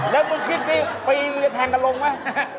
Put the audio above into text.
แล้วมึงคิดดิปีมึงจะแทงกันลงไหม